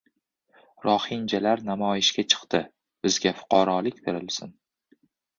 Rohinjalar namoyishga chiqdi: "Bizga fuqarolik berilsin!"